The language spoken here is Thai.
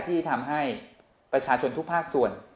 ที่ทำให้ประชาชนทุกภาคส่วน